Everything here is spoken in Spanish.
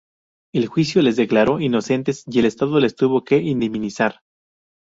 El juicio les declaró inocentes y el Estado les tuvo que indemnizar.